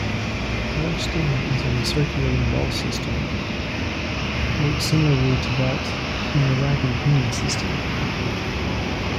Power steering in a recirculating-ball system works similarly to that in a rack-and-pinion system.